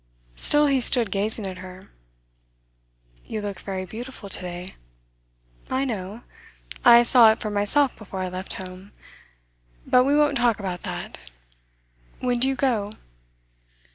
Still he stood gazing at her. 'You look very beautiful to day.' 'I know. I saw it for myself before I left home. But we won't talk about that. When do you go?